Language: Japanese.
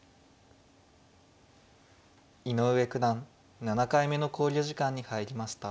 井上九段７回目の考慮時間に入りました。